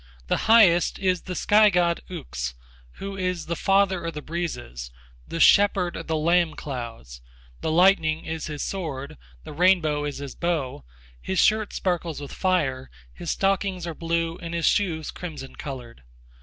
The highest is the sky god Ukks who is 'The Father of the Breezes,' 'The Shepherd of the Lamb Clouds'; the lightning is his sword, the rainbow is his bow; his skirt sparkles with fire, his stockings are blue and his shoes crimson coloured.